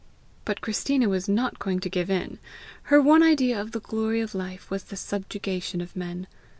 But Christina was not going to give in! Her one idea of the glory of life was the subjugation of men.